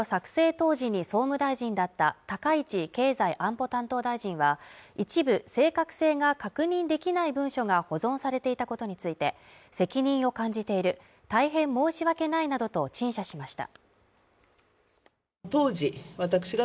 当時に総務大臣だった高市経済安保担当大臣は一部正確性が確認できない文書が保存されていたことについて、責任を感じている大変申し訳ないなどと陳謝しました。